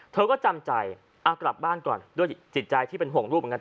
เธอก็จำใจเอากลับบ้านก่อนด้วยจิตใจที่เป็นห่วงลูกเหมือนกัน